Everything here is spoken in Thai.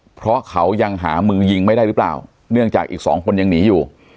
เพราะเขายังหามือยิงไม่ได้หรือเปล่าเนื่องจากอีกสองคนยังหนีอยู่